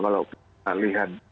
kalau kita lihat